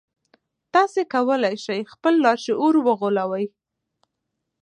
تاسې کولای شئ خپل لاشعور وغولوئ